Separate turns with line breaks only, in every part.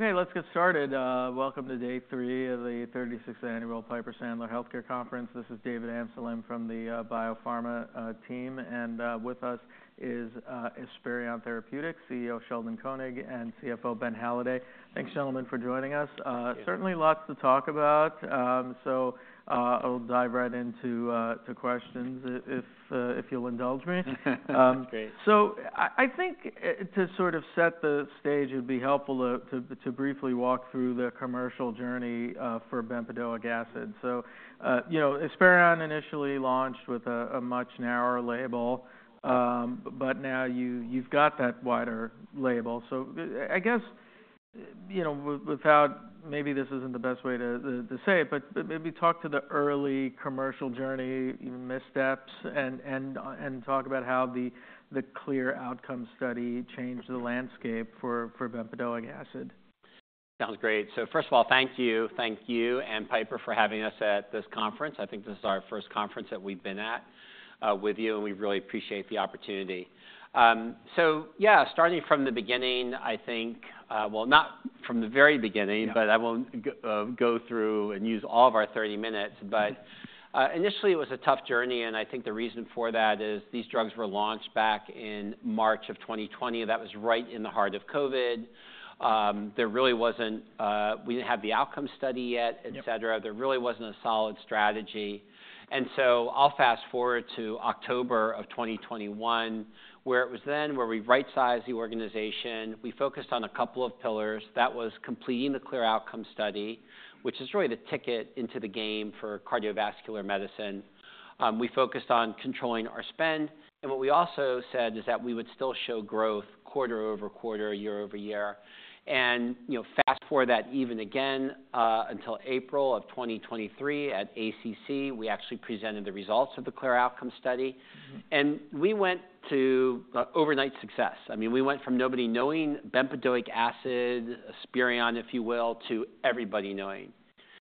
Okay, let's get started. Welcome to day three of the 36th Annual Piper Sandler Healthcare Conference. This is David Amsellem from the biopharma team, and with us is Esperion Therapeutics, CEO Sheldon Koenig, and CFO Ben Halladay. Thanks, gentlemen, for joining us. Certainly lots to talk about, so I'll dive right into questions if you'll indulge me.
Sounds great.
So I think to sort of set the stage, it'd be helpful to briefly walk through the commercial journey for bempedoic acid. So, you know, Esperion initially launched with a much narrower label, but now you've got that wider label. So I guess, you know, without maybe this isn't the best way to say it, but maybe talk to the early commercial journey, your missteps, and talk about how the CLEAR Outcomes changed the landscape for bempedoic acid.
Sounds great. So first of all, thank you, thank you and Piper for having us at this conference. I think this is our first conference that we've been at with you, and we really appreciate the opportunity. So yeah, starting from the beginning, I think, well, not from the very beginning, but I won't go through and use all of our 30 minutes. But initially, it was a tough journey, and I think the reason for that is these drugs were launched back in March of 2020. That was right in the heart of COVID. There really wasn't. We didn't have the outcome study yet, et cetera. There really wasn't a solid strategy. And so I'll fast forward to October of 2021, where it was then we right-sized the organization. We focused on a couple of pillars. That was completing the CLEAR Outcomes, which is really the ticket into the game for cardiovascular medicine. We focused on controlling our spend, and what we also said is that we would still show growth quarter over quarter, year over year. And, you know, fast forward that even again until April of 2023 at ACC, we actually presented the results of the CLEAR Outcomes, and we went to overnight success. I mean, we went from nobody knowing bempedoic acid, Esperion, if you will, to everybody knowing.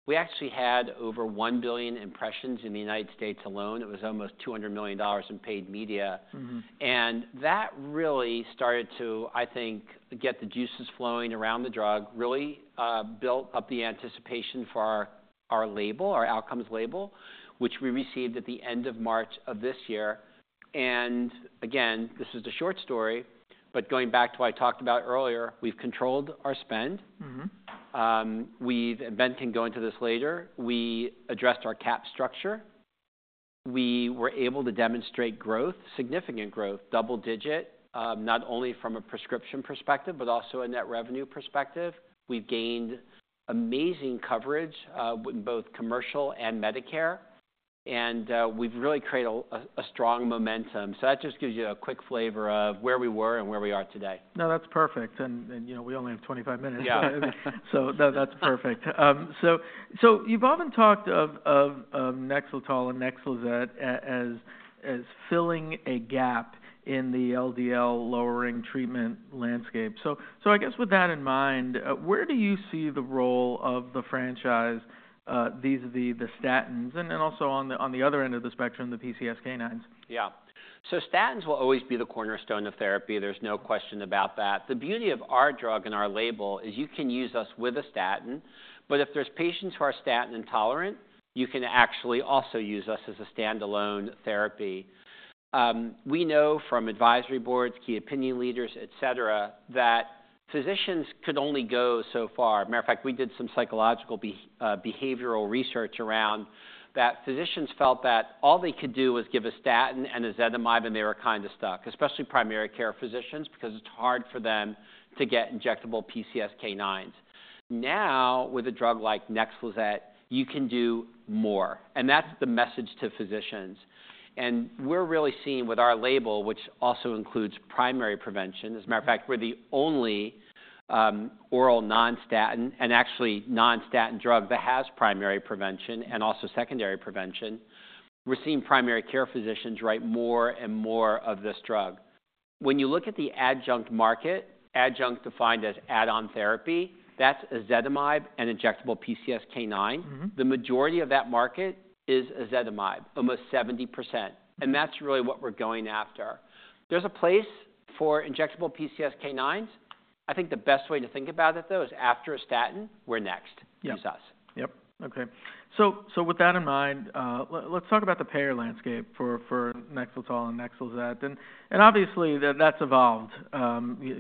We actually had over 1 billion impressions in the United States alone. It was almost $200 million in paid media. And that really started to, I mean, get the juices flowing around the drug, really built up the anticipation for our label, our outcomes label, which we received at the end of March of this year. Again, this is a short story, but going back to what I talked about earlier, we've controlled our spend. We've, and Ben can go into this later, we addressed our capital structure. We were able to demonstrate growth, significant growth, double digit, not only from a prescription perspective, but also a net revenue perspective. We've gained amazing coverage in both commercial and Medicare, and we've really created a strong momentum. That just gives you a quick flavor of where we were and where we are today.
No, that's perfect. And, you know, we only have 25 minutes. So that's perfect. So you've often talked of Nexletol and Nexlizet as filling a gap in the LDL-lowering treatment landscape. So I guess with that in mind, where do you see the role of the franchise, these are the statins, and then also on the other end of the spectrum, the PCSK9s?
Yeah, so statins will always be the cornerstone of therapy. There's no question about that. The beauty of our drug and our label is you can use us with a statin, but if there's patients who are statin intolerant, you can actually also use us as a standalone therapy. We know from advisory boards, key opinion leaders, et cetera, that physicians could only go so far. Matter of fact, we did some psychological behavioral research around that. Physicians felt that all they could do was give a statin and a ezetimibe, and they were kind of stuck, especially primary care physicians, because it's hard for them to get injectable PCSK9s. Now, with a drug like Nexlizet, you can do more, and that's the message to physicians, and we're really seeing with our label, which also includes primary prevention. As a matter of fact, we're the only oral non-statin, and actually non-statin, drug that has primary prevention and also secondary prevention. We're seeing primary care physicians write more and more of this drug. When you look at the adjunct market, adjunct defined as add-on therapy, that's ezetimibe and injectable PCSK9. The majority of that market is ezetimibe, almost 70%. And that's really what we're going after. There's a place for injectable PCSK9s. I think the best way to think about it, though, is after a statin, we're next. Use us.
Okay. With that in mind, let's talk about the payer landscape for Nexletol and Nexlizet. Obviously, that's evolved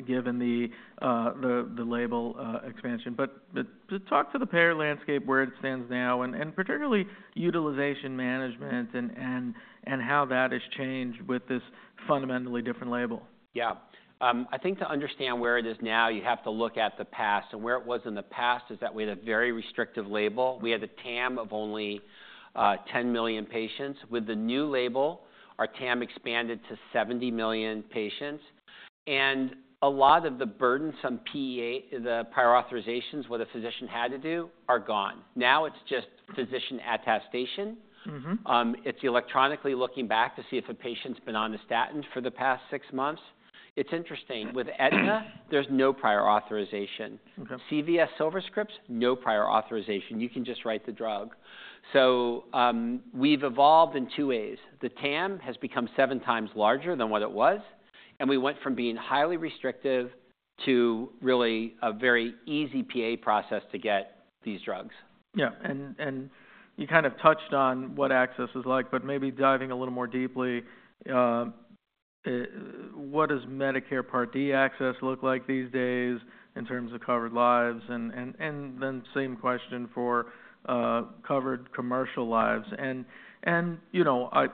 given the label expansion. Talk about the payer landscape where it stands now, and particularly utilization management and how that has changed with this fundamentally different label.
Yeah. I think to understand where it is now, you have to look at the past. And where it was in the past is that we had a very restrictive label. We had a TAM of only 10 million patients. With the new label, our TAM expanded to 70 million patients. And a lot of the burdensome PA, the prior authorizations where the physician had to do, are gone. Now it's just physician attestation. It's electronically looking back to see if a patient's been on a statin for the past six months. It's interesting. With Aetna, there's no prior authorization. CVS SilverScript, no prior authorization. You can just write the drug. So we've evolved in two ways. The TAM has become seven times larger than what it was, and we went from being highly restrictive to really a very easy PA process to get these drugs.
Yeah. And you kind of touched on what access is like, but maybe diving a little more deeply, what does Medicare Part D access look like these days in terms of covered lives? And then same question for covered commercial lives. And, you know, I'm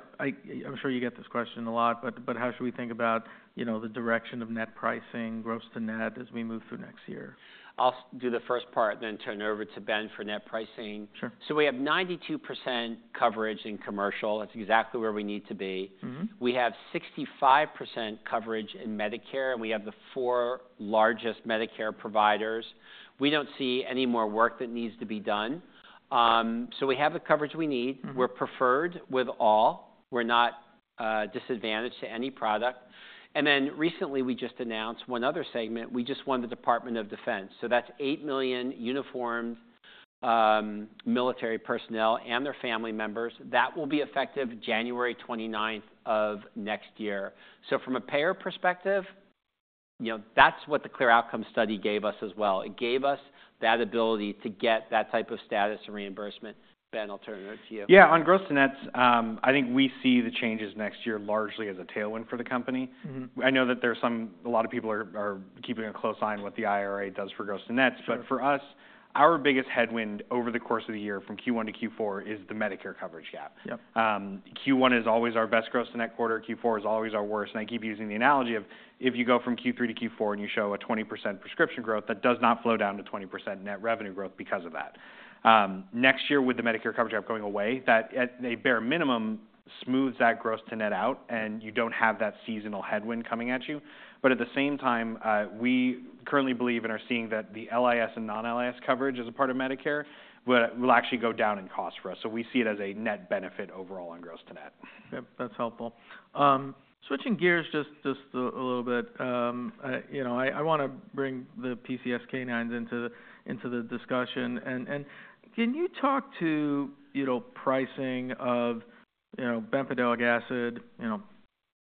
sure you get this question a lot, but how should we think about, you know, the direction of net pricing, gross to net, as we move through next year?
I'll do the first part, then turn over to Ben for net pricing.
Sure.
So we have 92% coverage in commercial. That's exactly where we need to be. We have 65% coverage in Medicare, and we have the four largest Medicare providers. We don't see any more work that needs to be done. So we have the coverage we need. We're preferred with all. We're not disadvantaged to any product. And then recently, we just announced one other segment. We just won the Department of Defense. So that's 8 million uniformed military personnel and their family members. That will be effective January 29th of next year. So from a payer perspective, you know, that's what the CLEAR Outcomes gave us as well. It gave us that ability to get that type of status and reimbursement. Ben, I'll turn it over to you.
Yeah. On gross to nets, I think we see the changes next year largely as a tailwind for the company. I know that there's some, a lot of people are keeping a close eye on what the IRA does for gross to nets, but for us, our biggest headwind over the course of the year from Q1 to Q4 is the Medicare coverage gap.
Yep.
Q1 is always our best gross to net quarter. Q4 is always our worst. And I keep using the analogy of if you go from Q3 to Q4 and you show a 20% prescription growth, that does not flow down to 20% net revenue growth because of that. Next year, with the Medicare coverage gap going away, that at a bare minimum smooths that gross to net out, and you don't have that seasonal headwind coming at you. But at the same time, we currently believe and are seeing that the LIS and non-LIS coverage as a part of Medicare will actually go down in cost for us. So we see it as a net benefit overall on gross to net.
Yep. That's helpful. Switching gears just a little bit, you know, I want to bring the PCSK9s into the discussion. And can you talk to, you know, pricing of, you know, bempedoic acid, you know,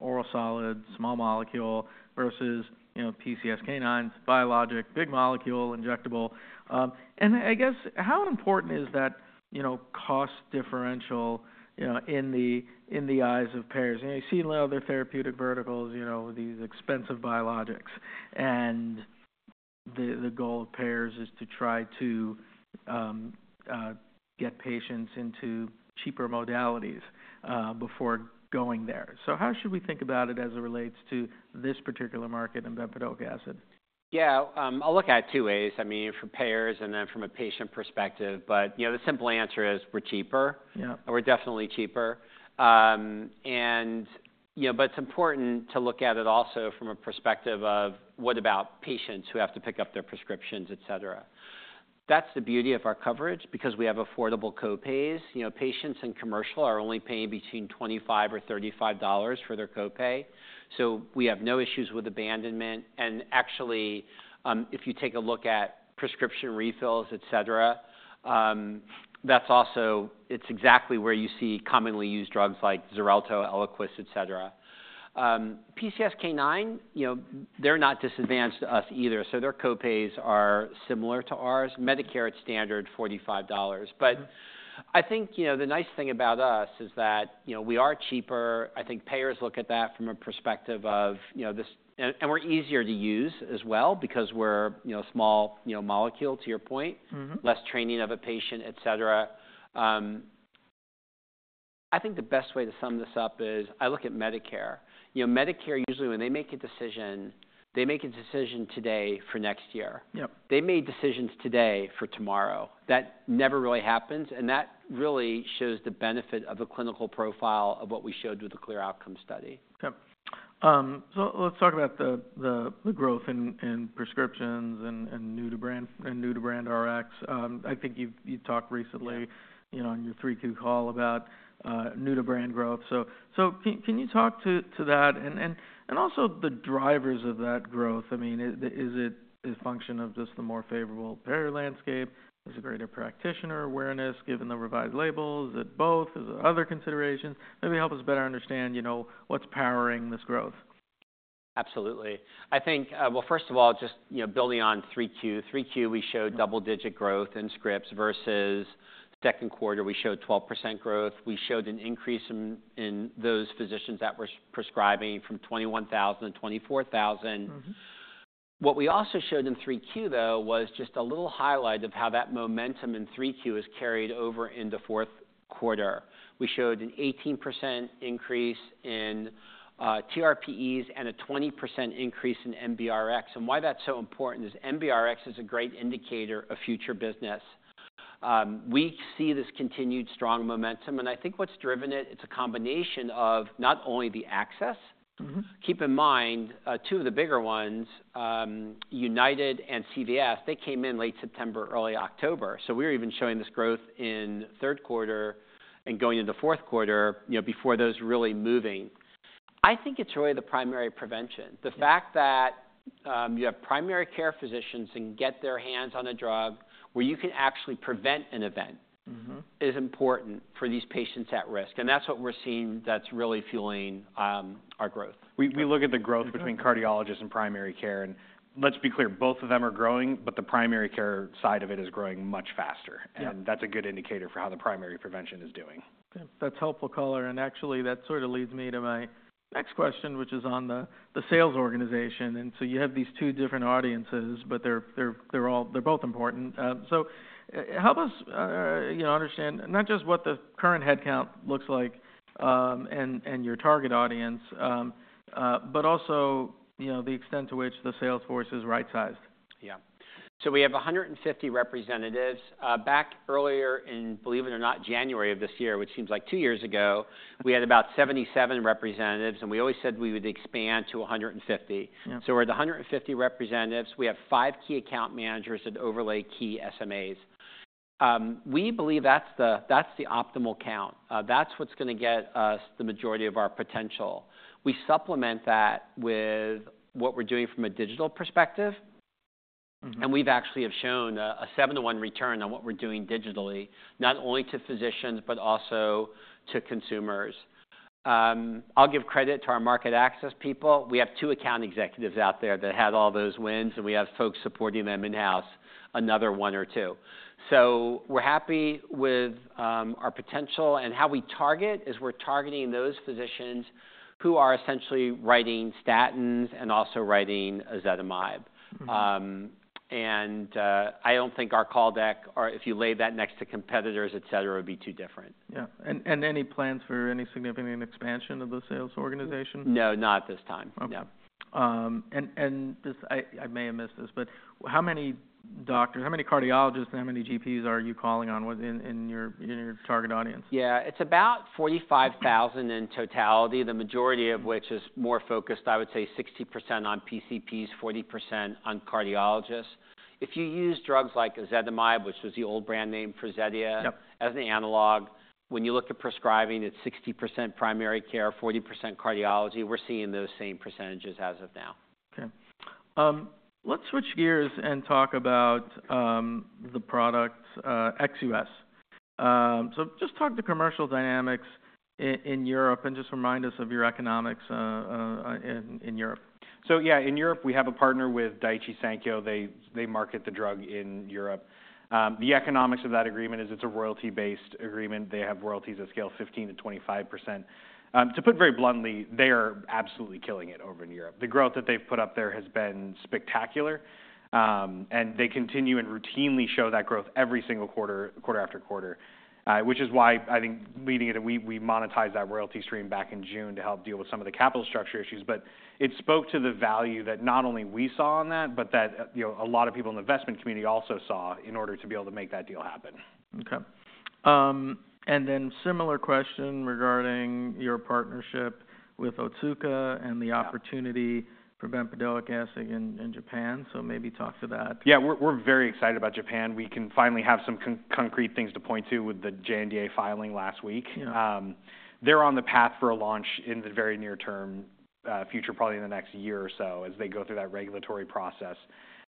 oral solid, small molecule versus, you know, PCSK9s, biologic, big molecule, injectable? And I guess how important is that, you know, cost differential, you know, in the eyes of payers? You see in other therapeutic verticals, you know, these expensive biologics, and the goal of payers is to try to get patients into cheaper modalities before going there. So how should we think about it as it relates to this particular market and bempedoic acid?
Yeah. I'll look at it two ways. I mean, from payers and then from a patient perspective. But, you know, the simple answer is we're cheaper.
Yeah.
We're definitely cheaper, and you know, but it's important to look at it also from a perspective of what about patients who have to pick up their prescriptions, et cetera. That's the beauty of our coverage because we have affordable copays. You know, patients in commercial are only paying between $25 or $35 for their copay, so we have no issues with abandonment, and actually, if you take a look at prescription refills, et cetera, that's also, it's exactly where you see commonly used drugs like Xarelto, Eliquis, et cetera. PCSK9, you know, they're not disadvantaged to us either, so their copays are similar to ours. Medicare, it's standard at $45, but I think, you know, the nice thing about us is that, you know, we are cheaper. I think payers look at that from a perspective of, you know, this, and we're easier to use as well because we're, you know, small, you know, molecule to your point, less training of a patient, et cetera. I think the best way to sum this up is I look at Medicare. You know, Medicare usually when they make a decision, they make a decision today for next year.
Yep.
They made decisions today for tomorrow. That never really happens, and that really shows the benefit of the clinical profile of what we showed with the CLEAR Outcomes study.
Yep. So let's talk about the growth in prescriptions and new-to-brand Rx. I think you talked recently, you know, on your Q3 call about new-to-brand growth. So can you talk to that and also the drivers of that growth? I mean, is it a function of just the more favorable payer landscape? Is it greater practitioner awareness given the revised labels? Is it both? Is it other considerations? Maybe help us better understand, you know, what's powering this growth?
Absolutely. I think, well, first of all, just, you know, building on Q3. Q3, we showed double-digit growth in scripts versus second quarter, we showed 12% growth. We showed an increase in those physicians that were prescribing from 21,000 to 24,000. What we also showed in Q3, though, was just a little highlight of how that momentum in Q3 has carried over into fourth quarter. We showed an 18% increase in TRx and a 20% increase in NBRx. And why that's so important is NBRx is a great indicator of future business. We see this continued strong momentum. And I think what's driven it, it's a combination of not only the access. Keep in mind, two of the bigger ones, United and CVS, they came in late September, early October. So, we were even showing this growth in third quarter and going into fourth quarter, you know, before those really moving. I think it's really the primary prevention. The fact that you have primary care physicians and get their hands on a drug where you can actually prevent an event is important for these patients at risk. And that's what we're seeing that's really fueling our growth.
We look at the growth between cardiologists and primary care, and let's be clear, both of them are growing, but the primary care side of it is growing much faster.
Yep.
That's a good indicator for how the primary prevention is doing.
That's helpful, Caller. And actually, that sort of leads me to my next question, which is on the sales organization. And so you have these two different audiences, but they're both important. So help us, you know, understand not just what the current headcount looks like and your target audience, but also, you know, the extent to which the salesforce is right-sized.
Yeah, so we have 150 representatives. Back earlier in, believe it or not, January of this year, which seems like two years ago, we had about 77 representatives, and we always said we would expand to 150.
Yeah.
So we're at 150 representatives. We have five key account managers that overlay key SMAs. We believe that's the optimal count. That's what's going to get us the majority of our potential. We supplement that with what we're doing from a digital perspective. And we've actually shown a seven-to-one return on what we're doing digitally, not only to physicians, but also to consumers. I'll give credit to our market access people. We have two account executives out there that had all those wins, and we have folks supporting them in-house, another one or two. So we're happy with our potential. And how we target is we're targeting those physicians who are essentially writing statins and also writing ezetimibe. And I don't think our call deck, or if you lay that next to competitors, et cetera, would be too different.
Yeah, and any plans for any significant expansion of the sales organization?
No, not at this time.
Okay.
Yeah.
I may have missed this, but how many doctors, how many cardiologists, and how many GPs are you calling on in your target audience?
Yeah. It's about 45,000 in totality, the majority of which is more focused, I would say 60% on PCPs, 40% on cardiologists. If you use drugs like ezetimibe, which was the old brand name for Zetia.
Yep.
As an analog, when you look at prescribing, it's 60% primary care, 40% cardiology. We're seeing those same percentages as of now.
Okay. Let's switch gears and talk about the product ex-US. So just talk to commercial dynamics in Europe and just remind us of your economics in Europe.
Yeah, in Europe, we have a partner with Daiichi Sankyo. They market the drug in Europe. The economics of that agreement is it's a royalty-based agreement. They have royalties that scale 15%-25%. To put very bluntly, they are absolutely killing it over in Europe. The growth that they've put up there has been spectacular. They continue and routinely show that growth every single quarter, quarter after quarter, which is why I think leading it, we monetized that royalty stream back in June to help deal with some of the capital structure issues. It spoke to the value that not only we saw on that, but that, you know, a lot of people in the investment community also saw in order to be able to make that deal happen.
Okay. And then similar question regarding your partnership with Otsuka and the opportunity for bempedoic acid in Japan. So maybe talk to that.
Yeah. We're very excited about Japan. We can finally have some concrete things to point to with the J-NDA filing last week.
Yeah.
They're on the path for a launch in the very near term future, probably in the next year or so as they go through that regulatory process.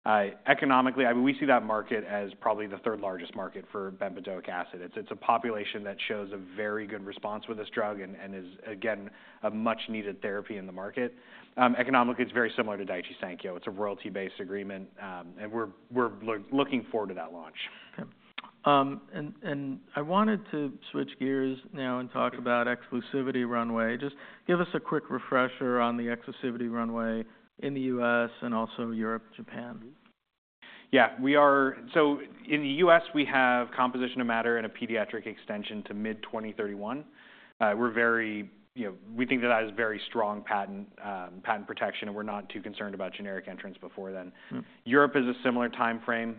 Economically, I mean, we see that market as probably the third largest market for bempedoic acid. It's a population that shows a very good response with this drug and is, again, a much-needed therapy in the market. Economically, it's very similar to Daiichi Sankyo. It's a royalty-based agreement, and we're looking forward to that launch.
Okay. And I wanted to switch gears now and talk about exclusivity runway. Just give us a quick refresher on the exclusivity runway in the U.S. and also Europe, Japan.
Yeah. We are, so in the U.S., we have composition of matter and a pediatric extension to mid-2031. We're very, you know, we think that that is very strong patent protection, and we're not too concerned about generic entrants before then.
Yep.
Europe is a similar timeframe,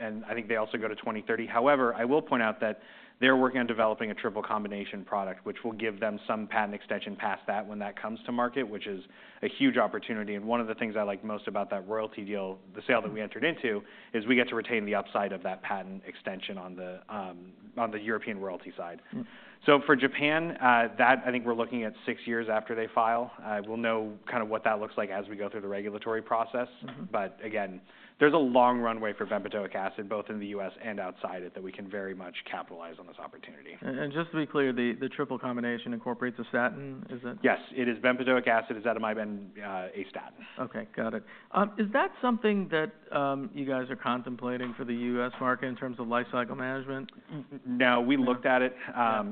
and I think they also go to 2030. However, I will point out that they're working on developing a triple combination product, which will give them some patent extension past that when that comes to market, which is a huge opportunity, and one of the things I like most about that royalty deal, the sale that we entered into, is we get to retain the upside of that patent extension on the European royalty side.
Yep.
So for Japan, that I think we're looking at six years after they file. We'll know kind of what that looks like as we go through the regulatory process. But again, there's a long runway for bempedoic acid, both in the U.S. and outside it, that we can very much capitalize on this opportunity.
Just to be clear, the triple combination incorporates a statin? Is it?
Yes. It is bempedoic acid, ezetimibe, and a statin.
Okay. Got it. Is that something that you guys are contemplating for the US market in terms of life cycle management?
No. We looked at it.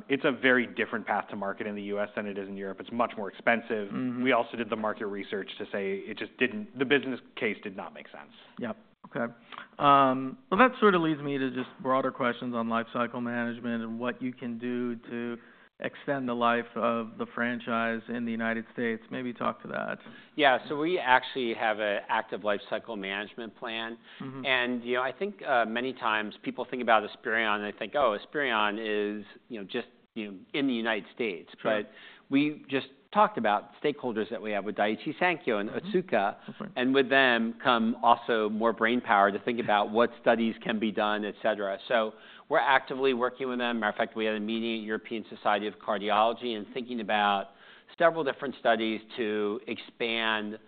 It's a very different path to market in the U.S. than it is in Europe. It's much more expensive. We also did the market research to say it just didn't, the business case did not make sense.
Yep. Okay. Well, that sort of leads me to just broader questions on life cycle management and what you can do to extend the life of the franchise in the United States. Maybe talk to that.
Yeah. So we actually have an active life cycle management plan. And, you know, I think many times people think about Esperion, and they think, "Oh, Esperion is, you know, just, you know, in the United States." But we just talked about stakeholders that we have with Daiichi Sankyo and Otsuka.
Okay.
And with them come also more brainpower to think about what studies can be done, et cetera. So we're actively working with them. Matter of fact, we had a meeting at European Society of Cardiology, thinking about several different studies to expand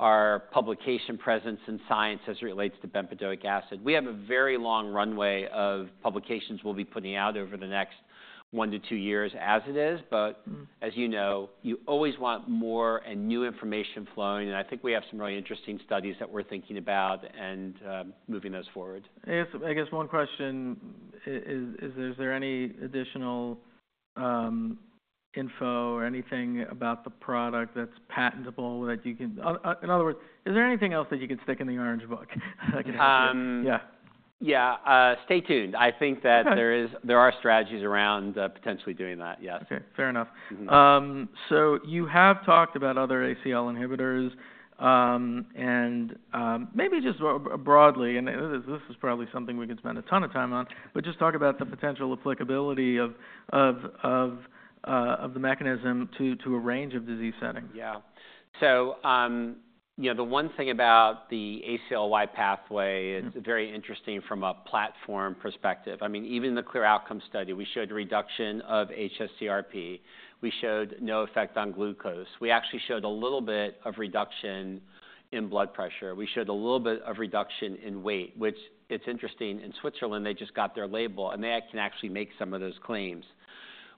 our publication presence in science as it relates to bempedoic acid. We have a very long runway of publications we'll be putting out over the next one to two years as it is. But as you know, you always want more and new information flowing. And I think we have some really interesting studies that we're thinking about and moving those forward.
I guess one question is, is there any additional info or anything about the product that's patentable that you can, in other words, is there anything else that you can stick in the Orange Book? Yeah.
Yeah. Stay tuned. I think that there are strategies around potentially doing that. Yes.
Okay. Fair enough. So you have talked about other ACL inhibitors and maybe just broadly, and this is probably something we could spend a ton of time on, but just talk about the potential applicability of the mechanism to a range of disease settings.
Yeah. So, you know, the one thing about the ACLY pathway is very interesting from a platform perspective. I mean, even in the CLEAR Outcomes study, we showed reduction of hsCRP. We showed no effect on glucose. We actually showed a little bit of reduction in blood pressure. We showed a little bit of reduction in weight, which it's interesting. In Switzerland, they just got their label, and they can actually make some of those claims.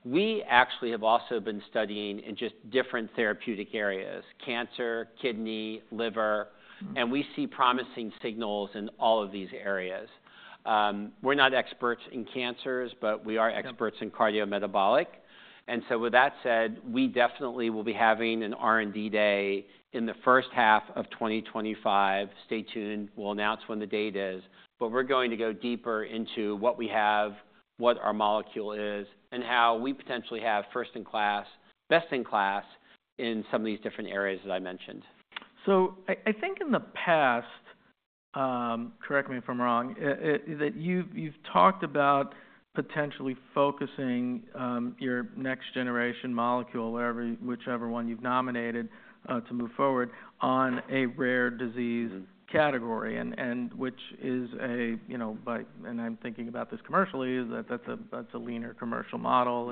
We actually have also been studying in just different therapeutic areas: cancer, kidney, liver. And we see promising signals in all of these areas. We're not experts in cancers, but we are experts in cardiometabolic. And so with that said, we definitely will be having an R&D day in the first half of 2025. Stay tuned. We'll announce when the date is. But we're going to go deeper into what we have, what our molecule is, and how we potentially have first-in-class, best-in-class in some of these different areas that I mentioned.
I think in the past, correct me if I'm wrong, that you've talked about potentially focusing your next-generation molecule, whichever one you've nominated to move forward on a rare disease category, which is a, you know, by, and I'm thinking about this commercially, that that's a leaner commercial model.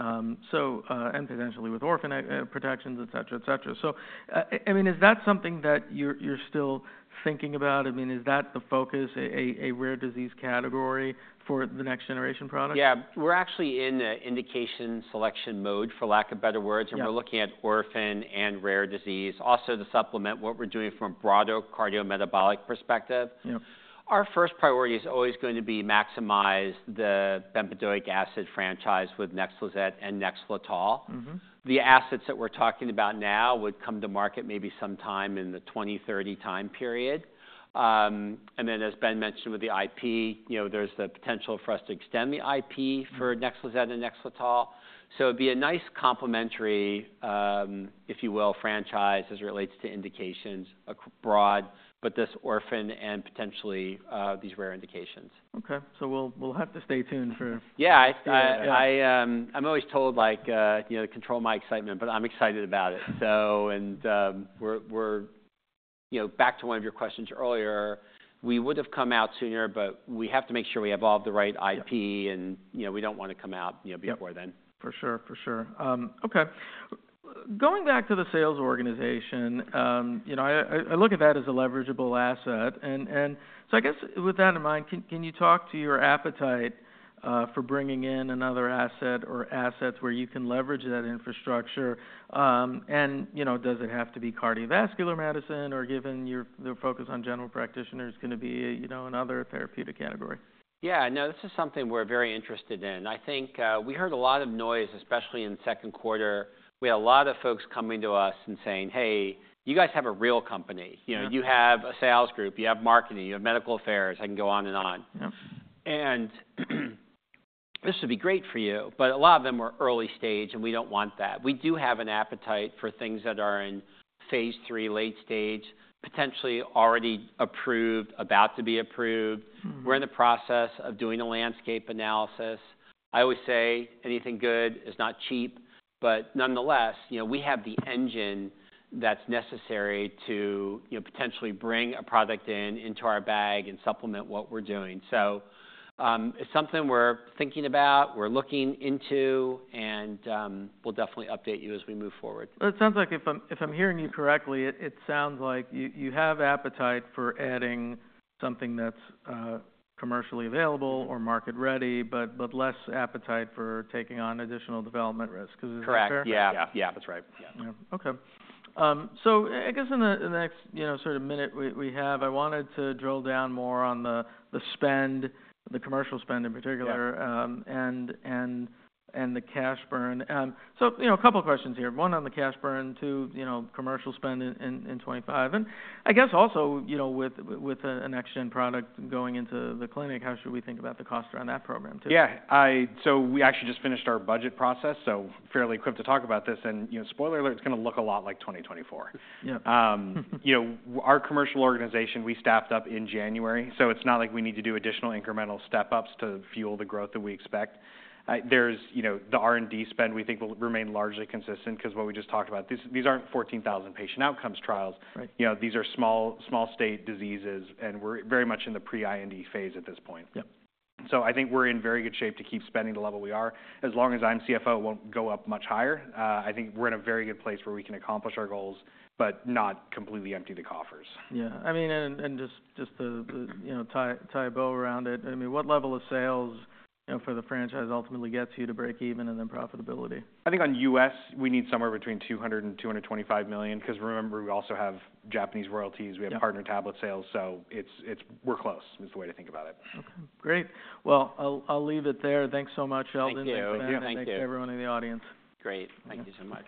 And so, potentially with orphan protections, et cetera, et cetera. I mean, is that something that you're still thinking about? I mean, is that the focus, a rare disease category for the next-generation product?
Yeah. We're actually in the indication selection mode, for lack of better words.
Yep.
We're looking at orphan and rare disease. Also, the supplement, what we're doing from a broader cardiometabolic perspective.
Yep.
Our first priority is always going to be to maximize the bempedoic acid franchise with Nexlizet and Nexletol. The assets that we're talking about now would come to market maybe sometime in the 2030 time period. And then, as Ben mentioned with the IP, you know, there's the potential for us to extend the IP for Nexlizet and Nexletol. So it'd be a nice complementary, if you will, franchise as it relates to broad indications, but this orphan and potentially these rare indications.
Okay. So we'll have to stay tuned for.
Yeah. I'm always told, like, you know, to control my excitement, but I'm excited about it. So, and we're, you know, back to one of your questions earlier. We would have come out sooner, but we have to make sure we have all of the right IP.
Yep.
You know, we don't want to come out, you know, before then.
For sure. For sure. Okay. Going back to the sales organization, you know, I look at that as a leverageable asset. And so I guess with that in mind, can you talk to your appetite for bringing in another asset or assets where you can leverage that infrastructure? And, you know, does it have to be cardiovascular medicine or, given your focus on general practitioners, going to be, you know, another therapeutic category?
Yeah. No, this is something we're very interested in. I think we heard a lot of noise, especially in the second quarter. We had a lot of folks coming to us and saying, "Hey, you guys have a real company. You know, you have a sales group. You have marketing. You have medical affairs." I can go on and on.
Yep.
This would be great for you, but a lot of them are early stage, and we don't want that. We do have an appetite for things that are in phase three, late stage, potentially already approved, about to be approved. We're in the process of doing a landscape analysis. I always say anything good is not cheap. But nonetheless, you know, we have the engine that's necessary to, you know, potentially bring a product in, into our bag, and supplement what we're doing. It's something we're thinking about, we're looking into, and we'll definitely update you as we move forward.
It sounds like, if I'm hearing you correctly, it sounds like you have appetite for adding something that's commercially available or market-ready, but less appetite for taking on additional development risk.
Correct.
Is that fair?
Yeah. Yeah. Yeah. That's right. Yeah.
Yeah. Okay. So I guess in the next, you know, sort of minute we have, I wanted to drill down more on the spend, the commercial spend in particular, and the cash burn. So, you know, a couple of questions here. One on the cash burn, two, you know, commercial spend in 2025. And I guess also, you know, with a next-gen product going into the clinic, how should we think about the cost around that program too?
Yeah. So we actually just finished our budget process, so I'm fairly equipped to talk about this. And, you know, spoiler alert, it's going to look a lot like 2024.
Yep.
You know, our commercial organization, we staffed up in January. So it's not like we need to do additional incremental step-ups to fuel the growth that we expect. There's, you know, the R&D spend we think will remain largely consistent because what we just talked about, these aren't 14,000 patient outcomes trials.
Right.
You know, these are small state diseases, and we're very much in the pre-IND phase at this point.
Yep.
So I think we're in very good shape to keep spending the level we are. As long as I'm CFO, it won't go up much higher. I think we're in a very good place where we can accomplish our goals, but not completely empty the coffers.
Yeah. I mean, and just the, you know, tie a bow around it. I mean, what level of sales, you know, for the franchise ultimately gets you to break even and then profitability?
I think on U.S., we need somewhere between $200 million and $225 million because remember, we also have Japanese royalties. We have partner tablet sales. So it's, we're close, is the way to think about it.
Okay. Great. Well, I'll leave it there. Thanks so much, Sheldon.
Thank you.
Thanks to everyone in the audience.
Great. Thank you so much.